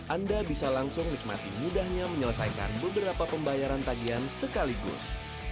anda bisa langsung nikmati mudahnya menyelesaikan beberapa pembayaran tagian sekaligus